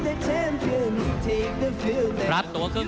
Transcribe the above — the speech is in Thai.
ท่านแรกครับจันทรุ่ม